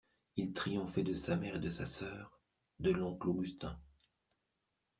Il triomphait de sa mère et de sa sœur, de l'oncle Augustin.